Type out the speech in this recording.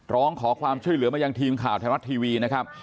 ร้องขอความช่วยเหลือมายังทีมข่าวไทยรัฐทีวีนะครับ